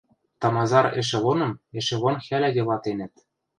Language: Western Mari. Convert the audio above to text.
Тамазар эшелоным эшелон хӓлӓ йылатенӹт